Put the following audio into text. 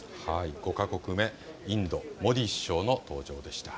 ５か国目、インド、モディ首相の登場でした。